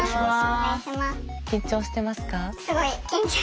緊張してますか？